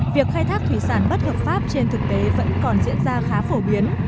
việc khai thác thủy sản bất hợp pháp trên thực tế vẫn còn diễn ra khá phổ biến